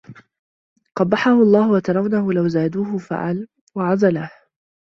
قَبَّحَهُ اللَّهُ أَتَرَوْنَهُ لَوْ زَادُوهُ فَعَلَ ؟ وَعَزَلَهُ